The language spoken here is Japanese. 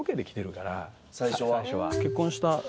最初は。